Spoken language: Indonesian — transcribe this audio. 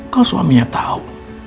kalau suaminya tahu